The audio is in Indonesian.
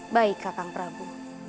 baik kakang prabu